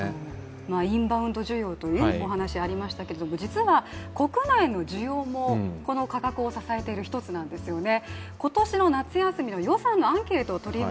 インバウンド需要というお話ありましたけど、実は国内の需要もこの価格を支えている１つなんですよね。